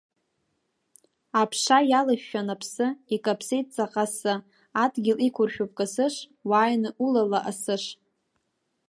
Аԥша иалышәшәан аԥсы, Икаԥсеит ҵаҟа асы, Адгьыл иқәыршәуп касыш, Уааины улала асыш.